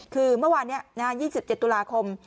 คือเมื่อวานนี้๒๗ตุลาคม